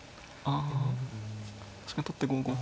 あ確かに取って５五桂。